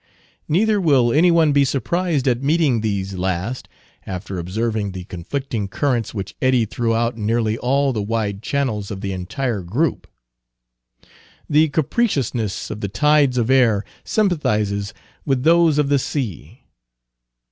Neither will any one be surprised at meeting these last, after observing the conflicting currents which eddy throughout nearly all the wide channels of the entire group. The capriciousness of the tides of air sympathizes with those of the sea.